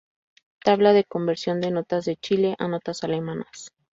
Tabla de conversión de notas de Chile a notas Alemanas